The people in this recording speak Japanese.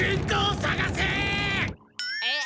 えっ？